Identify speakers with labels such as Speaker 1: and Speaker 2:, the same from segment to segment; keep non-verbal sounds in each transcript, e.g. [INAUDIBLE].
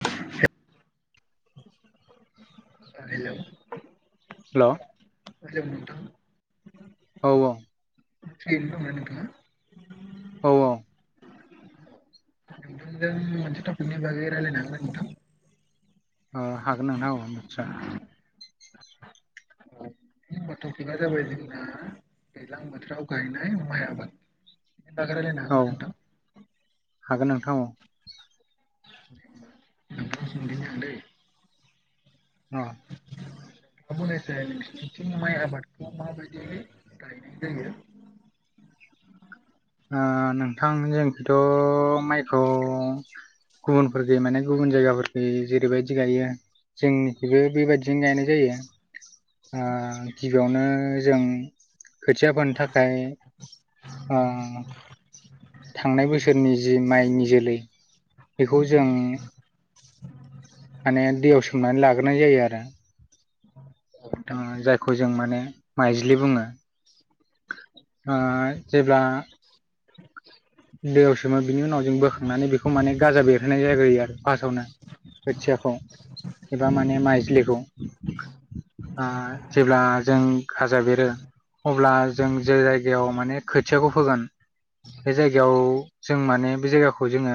Speaker 1: [UNINTELLIGIBLE] हेल' हेल नोंथां
Speaker 2: औ औ
Speaker 1: फा [UNINTELLIGIBLE]
Speaker 2: औ
Speaker 1: मोनजों मोनसे थपिकनि बागै रायलायनो हागोन नोंथां
Speaker 2: हागोन नोंथां औ नितचसा
Speaker 1: औ [UNINTELLIGIBLE] टपिकआ जाबाय जोंना दैज्लां बोथोराव गायनाय माइ आबाद बेनि बागै रलायनो
Speaker 2: औ
Speaker 1: हागोनना नोंथां
Speaker 2: हागोन नोंथां औ
Speaker 1: [UNINTELLIGIBLE]
Speaker 2: अ
Speaker 1: बुंनायसाय नोंसिनिथिं माइ आबादखौ माबायदि गायनाय जायो औ [UNINTELLIGIBLE]
Speaker 2: नोंथां जोंखौथ' माइखौ गुबुनफोरखै माने गुबुन जायगाफोरखैयै जेरैबायदि गायो जोंनिखैबो बेबायदिजों गायनाय जायो गिबियावनो जों खोथिया फोनो थाखाय
Speaker 1: औ
Speaker 2: थांनाय बोसोरनि जि माइनि जोलै बेखौ जों माने दैयाव सोमनानै लाग्रोनाय जायो आरो
Speaker 1: औ नोंथां
Speaker 2: जायखौ जों माने माइज्लि बुङो जेब्ला दैयाव सोमो बिनि उनाव जों बोखांनानै बेखौ माने गाजा बेरहोनाय जाग्रोयो आरो फार्स्टआवनो खोथियाखौ एबा माने माइजलिखौ जेब्ला जों खाजा बेरो अब्ला जों जे जायगायाव माने खोथियाखौ होगोन बे जायगायाव जों माने बे जायगाखौ जोङो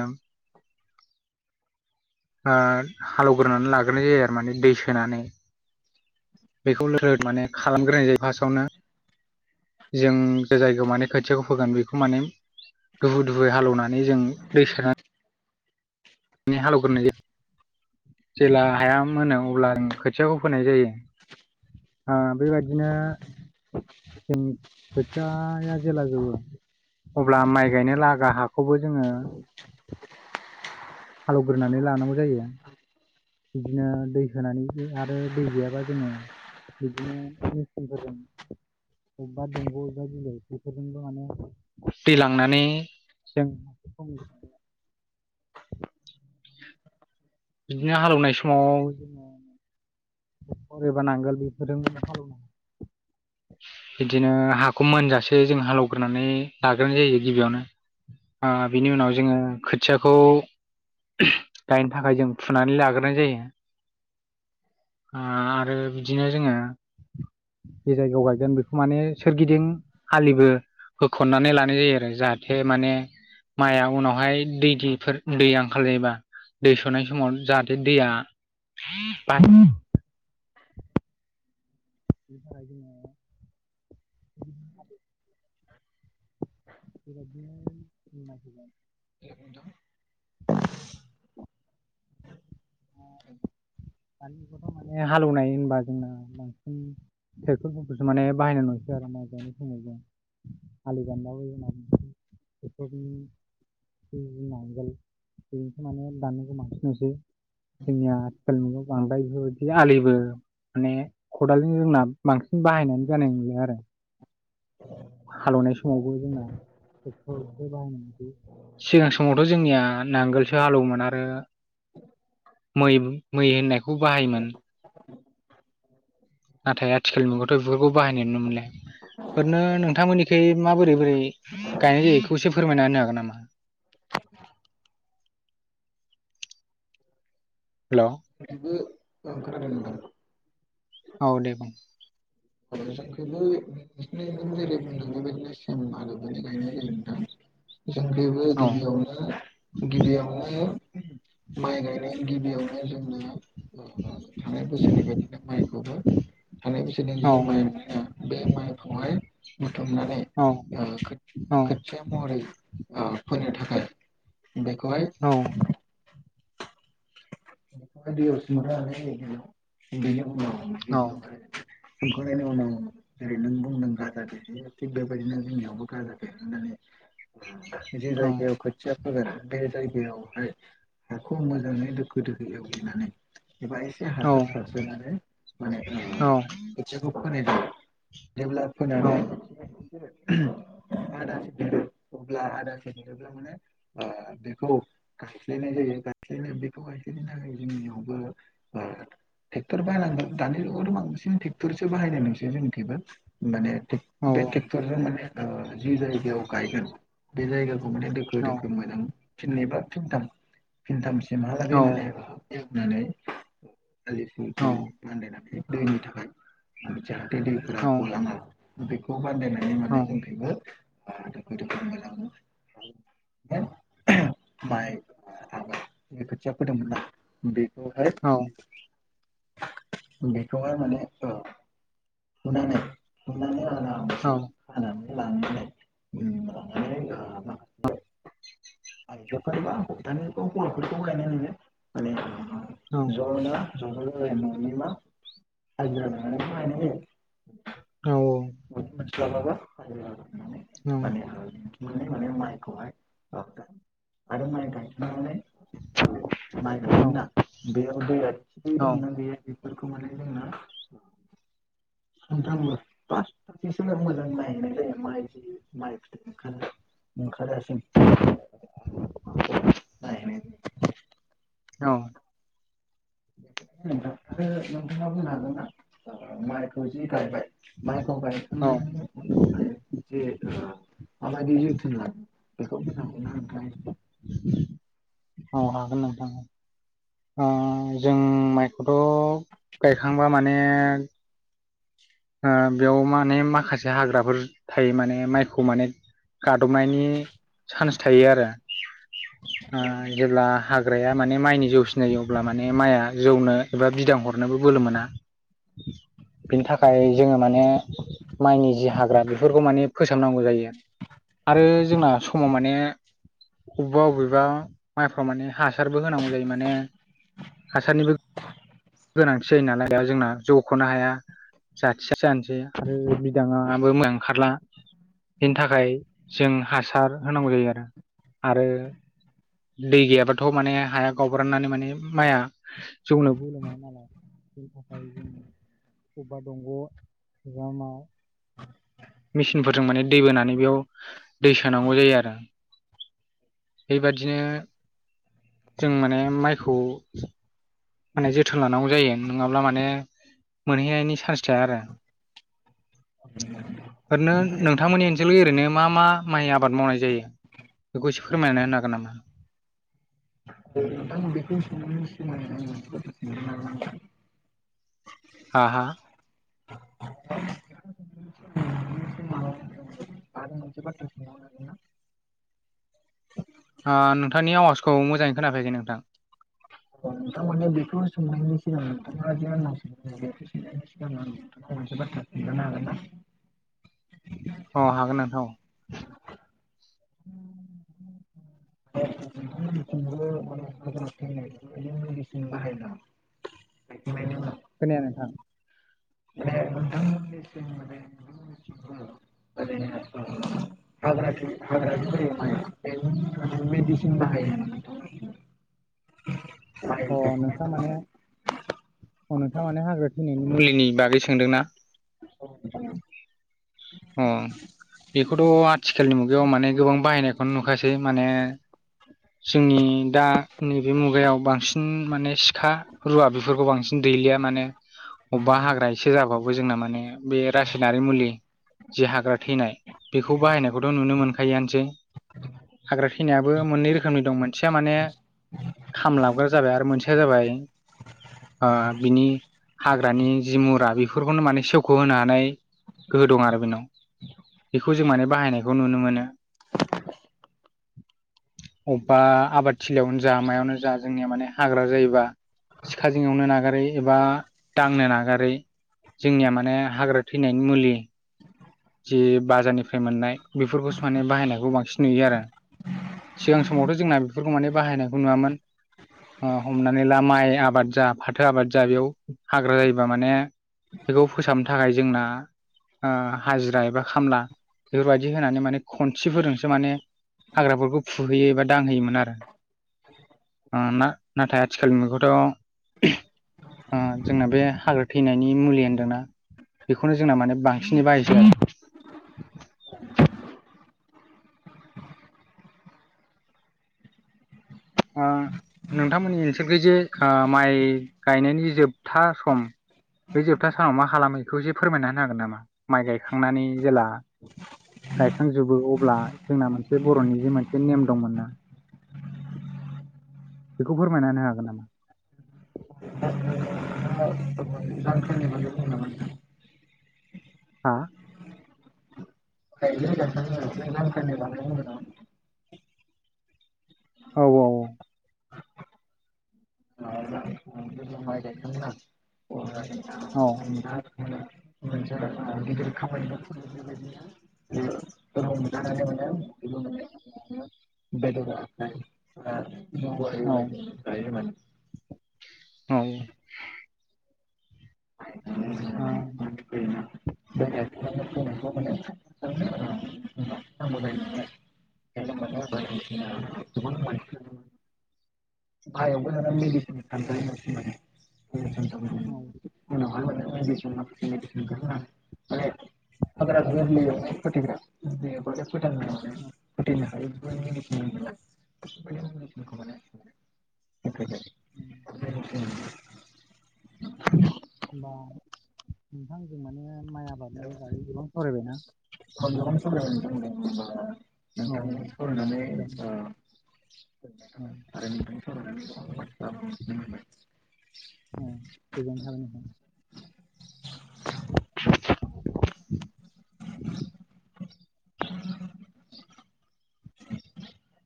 Speaker 2: हालेवग्रोनानै लाग्रोनाय जायो आरो माने दै सोनानै बेखौ लद माने खालामग्रोनाय जायो फार्स्टआवनो जों जायगायाव माने खोथियाखौ फोगोन बेखौ माने दुफु दुुफुयै हालेवनानै जों दै सारनानै हालेवग्रोनाय जायो जेब्ला हाया मोनो अब्ला
Speaker 1: हेलौ
Speaker 2: खोथियाखौ फोनाय जायो बेबायदिनो जों खोथिाया जेला जोबो अब्ला माइ गायनो लागा हाखौबो जोङो हालौवग्रोनानै लानांगौ जायो आ बिदिनो दै होनानै आरो दै गैयाबा जोङो बिदिनो मिसनफोर अबेबा दंग' अबेबा बिलो बेफोरजोंबो माने दैलांनानै जों [UNINTELLIGIBLE]
Speaker 1: [INAUDIBLE]
Speaker 2: बिदिनो हालेवनाय समाव जोंङो फरेबा नांगोल बेफोरजों हालेवनांङो
Speaker 1: [INAUDIBLE]
Speaker 2: बिदिनो हाखौ मोनजासे जों हालौवग्रोनानै लाग्रोनाय जायो गिबियावनो बिनि उनाव जोंङो खोथियाखौ गायनो थाखाय जों फुनानै लाग्रोनाय जायो।
Speaker 1: [INAUDIBLE]
Speaker 2: आरो बिदिनो जोंङो ज जायगायाव गायगोन बेखौ माने सोरगिदिं आलिबो होखननानै लानाय जायो आरो जाहाथे माने माइआ उनावहाय दैफोर दैया ओंखार जायोबा दै सोनाय समाव जाहाथे दैया ब बिनि थाखाय जोंयो [UNINTELLIGIBLE]
Speaker 1: [UNINTELLIGIBLE]
Speaker 2: बे बायदिनो
Speaker 1: [UNINTELLIGIBLE] [UNINTELLIGIBLE]
Speaker 2: दानिखौथ' माने हालेवनाय होनबा जोंना बांसिन ट्रेक्टर मथलसो माने बाहायनाय नुसै बार माानाय समाव ज आलि गानलाबो होननानै बेनि [UNINTELLIGIBLE] [UNINTELLIGIBLE] सिनिया आथिखाल बांद्राय बेफोरबायदि आलिबो माने खदालजों जोंना बांसिन बाहायनानै जानाय नंलिया आरो हालेवनाय समावबो जोंना [UNINTELLIGIBLE] [UNINTELLIGIBLE] सिगां समावथ' जोंनिया नांगोलसो हालौवोमोन आरो
Speaker 1: औ
Speaker 2: मै मै होननायखौ बाहायोमोन नाथाय आथिखालनि मुगायावथ' बेफोरखौ बाहायनाय नुनो मोनलाय ओरैनो नोंथांमोननिख माबोरै बोरै गायनाय जायोखौ एसे फोरमायना होनो हागोन नामा
Speaker 1: [INAUDIBLE]
Speaker 2: हेलौ
Speaker 1: [UNINTELLIGIBLE]
Speaker 2: औ दे बुं
Speaker 1: [UNINTELLIGIBLE] जों बेबो
Speaker 2: औ
Speaker 1: गिबियावनो गिबियावनो माइ गायनाय गिबियावनो जोंना थांनाय बोसोरनि बायदिनो माइखौबो थानाय बोसोरनि
Speaker 2: औ
Speaker 1: बे माइ बे माइखौ हाय बुथुमनानै
Speaker 2: औ औ
Speaker 1: खोथिया महरै फोनो थाखाय बेखौ हाय
Speaker 2: औ
Speaker 1: [UNINTELLIGIBLE] [UNINTELLIGIBLE] जेरै नों बुंदों गाजा दे थिग बेबायदिनो जोंनियावबो गाजा दे होननानै जे
Speaker 2: औ
Speaker 1: जायगायाव खोथिया फोगोन बे जायगायावहाय हाखौ मोजांङै दोखो दोखो एव एबा एसे हासार सारसोनानै मानेखौ फोनाय जायो जेब्ला फोनानै आद देरो अब्ला आदा स देरोब्ला माने बेखौ गायस्लायनाय जायो [UNINTELLIGIBLE] बेखौ आखनि न जोंनियावबो ट्रेक्टर बाहायनांगोन दानि जुगावथ' बांसिन ट्रेक्टरसो बाहायनाय नोंसै जोंनिखबो माने बे ट्रेक्टर ज माने जि जायगायाव गायगोन बे जायायाव माने दोखो
Speaker 2: औ
Speaker 1: दोखो मोजां फिननिबा फिनथाम फिनथामसिमहालागै
Speaker 2: औ
Speaker 1: माने [UNINTELLIGIBLE] दैफोरा गलाङा बेखौ बानदायनायनि माने जों बेबो [UNINTELLIGIBLE] माइ आबादनि खोथिया फोदोंमोन ना बेखौहाय बेखौहाय माने औ हनानै हनानै [UNINTELLIGIBLE] आइजोफोरबा‌ दानि जुगाव हौवाफोरखौ गायनाय नुनो मोनो [UNINTELLIGIBLE] [UNINTELLIGIBLE] मोनस्लाबाबा मोनो माने माइखौहाय आरो माइ गायखोननानै [UNINTELLIGIBLE] [UNINTELLIGIBLE] फासथाससो मोजां माइ होननाय जायो माइ जि माइफोर ओंखारो ओंखारासिम [INAUDIBLE]
Speaker 2: औ
Speaker 1: नोंथाङा बुंनो हागोन ना माइखौ जि गायबाय माइखौ
Speaker 2: औ
Speaker 1: गायखांनायनि उनावहाय जे ओ माबायदि जोथोन लागोन बेखौ बुंजागोन ना
Speaker 2: औ हागोन नोंथां ओ जों माइखौथ गायखांबा माने ओ बेयाव माने माखासे हाग्राफोर थायो माने माइखौ माने गादबनायनि चान्स थायो आरो
Speaker 1: औ नोंथां
Speaker 2: जेब्ला
Speaker 1: नंगौ
Speaker 2: हाग्राया माने माइनि जौसिनाय जायो अब्ला माने माइआ जौनो एबा बिदां हरनोबो बोलो मोना बेनि थाखाय थाखाय जोङो माने माइनि जि हाग्रा बेफोरखौ माने फोसाबनांगौ जायो आरो जोंना समाव माने अबेबा बबेबा माइफ्राव माने हासारबो होनांगौ जायो माने हासारनिबो गोनांथि जायो नालाय बेयाव जोंना जखनो हाया जाथिया जानोसै आरो बिदाङाबो मोजां ओंखारला बेनि थाखाय जों हासार होनांगौ जायो आरो दै गैयाबाथ माने हाया गावब्राननानै माने माइआ जौनो बो बोलो नालाय बेनि थाखाय जोंङो अबेबा दंग बा मेसिनफोरजों माने दै बोनानै बेयाव दै सोनांगौ जायो आरो बेबादिनो जों माने माइखौ माने जोथोन लानांगौ जायो नङाब्ला माने मोनहैनायनि चान्स थाया आरो
Speaker 1: [INAUDIBLE]
Speaker 2: ओरैनो नोंथांमोननि ओनसोलाव ओरैनो मा मा माइ आबाद मावनाय जायो बेखौ एसे फोरमायना होनो हागोन नामा
Speaker 1: [INAUDIBLE] [UNINTELLIGIBLE]
Speaker 2: हा हा
Speaker 1: [INAUDIBLE] [UNINTELLIGIBLE]
Speaker 2: ओ नोंथांनि आवाजखौ मोजाङै खोनाफैयाखै नोंथां
Speaker 1: [UNINTELLIGIBLE] मोनसे बाथ्रा खिनथानो हागोन ना
Speaker 2: अ हागोन नोंथां औ
Speaker 1: नोंथांमोननिथिंबो माने मिसिन बाहायो
Speaker 2: खोनाया नोंथां।
Speaker 1: [UNINTELLIGIBLE] [UNINTELLIGIBLE] हाग्रानि [UNINTELLIGIBLE] मेदिसिन बाहायो। [INAUDIBLE]
Speaker 2: अ नोंथां माने। औ नोंथां माने हाग्रा थैनायनि मुलिनि बागै सोंदोना।
Speaker 1: औ।
Speaker 2: अ बेखौथ' आथिखालनि मुगायाव माने गोबां बाहायनायख। खौनो नुखासै माने। जोंनि दा नैबे मुगायाव बांसिन माने सिखा रुवा बिफोरखौ बांसिन दै। गैलिया माने अबेबा हाग्रा इसे होआबाबो जोंना माने बे रासायनारि मुलि। जि हाग्रा थैनाय बेखौ बाहायनायखौथ' नुनो मोनखायोआनोसै। हाग्रा खिनायाबो मोननै रोख। रोखोमनि दं मोनसेया माने खाम लाबग्रा जाबाय आरो मोनसेया जाबाय। ओ बिनि हाग्रानि जि मुरा बिफोरखौनो माने सेवख' होनानै। गोहो दं आरो बेनाव बेखौ जों माने बाहायनायखौ नुनो मोनो।
Speaker 1: [INAUDIBLE]
Speaker 2: अबेबा आबाद थिलियावनो जा मायावनो जा जोंनिया माने हाग्रा जायोबा। सिखाजों एवनो नागारै एबा दांनो नागारै। जोंनिया माने हाग्रा थैनायनि मुलि। जि बाजारनिफ्राय मोननाय बेफोरखौसो माने बाहायनायखौ बांसिन नुयो आरो। सिगां समावथ' जोंना बिफोरखौ माने बाहायनायखौ नुवामोन। ओ हमनानै ला माइ आबाद जा फाथो आबाद जा बेयाव हाग्रा जायोबा माने। बेखौ फोसाबनो थाखाय जोंना। हाजिरा एबा खामला बेफोरबायदि होनानै माने खनसिफोरजोंसो माने। हाग्राफोरखौ फुहैयो एबा दांहोयोमोन आरो। ओ ना नाथाय आथिखालनि मैगथ'। ओ जोंना बे हाग्रा थैनायनि मुलि होन्दोंना बेखौनो जोंना माने बांसिनै बाहायस। [UNINTELLIGIBLE] ओं नोंथांमोननि ओनसोलगैजे खो ओ माइ गायनायनि जोबथा सम। बे जोबथा सानाव मा खालामो इखौ जे फोरमायना होनो हागोन नामा माइ गायखांनानै जेला। गायखांजोबो अब्ला जोंना मोनसे बर'नि जि मोनसे नेम दंमोन ना।
Speaker 1: [INAUDIBLE]
Speaker 2: बेखौ फोरमायना होनो हागोन नामा?
Speaker 1: [UNINTELLIGIBLE]
Speaker 2: हा।
Speaker 1: मायग्लि गायखांना [UNINTELLIGIBLE] [UNINTELLIGIBLE]
Speaker 2: औ औ औ। औ
Speaker 1: [INAUDIBLE] मोनसे [UNINTELLIGIBLE] गिदिर खामानि [UNINTELLIGIBLE] जे ओ।
Speaker 2: औ औ। औ।
Speaker 1: नुनो मोनो बायदिसिना गोबां मानसिफोर बाहायावबो लाना
Speaker 2: ओम।
Speaker 1: मेडिसिन सानजायो मानसि माने मेडिसिन साननानै
Speaker 2: औ।
Speaker 1: उनावहाय माने मेडिसिन माखासे मेडिसिनखौ होनानै माने हाग्रा गोरलैयाव फोथैग्रा गोरलैयाव फोथांनो माने
Speaker 2: अह।
Speaker 1: फोथैनो हायो बेफोर मेडिसिन मोनो बेफोरबायदि मेडिसिनखौ माने होफैदों
Speaker 2: [INAUDIBLE] होमबा नोंथांजों माने माइ आबादनि बागै गोबां फरायबायना?
Speaker 1: आं गोबां सावरायबाय [UNINTELLIGIBLE]
Speaker 2: औ होमबा एकदम
Speaker 1: [UNINTELLIGIBLE]
Speaker 2: औ
Speaker 1: [UNINTELLIGIBLE]
Speaker 2: [UNINTELLIGIBLE]
Speaker 1: [INAUDIBLE]